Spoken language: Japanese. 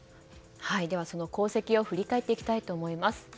その功績を振り返っていきたいと思います。